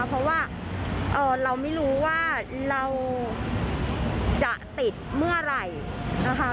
เพราะว่าเราไม่รู้ว่าเราจะติดเมื่อไหร่นะคะ